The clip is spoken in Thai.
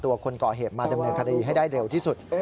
คนก่อเหตุมาดำเนินคดีให้ได้เร็วที่สุด